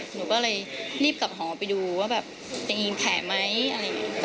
หนูก็เลยรีบกลับหอไปดูว่าแบบจะยิงแผลไหมอะไรอย่างนี้